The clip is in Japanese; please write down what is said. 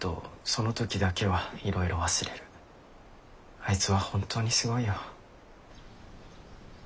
あいつは本当にすごいよ。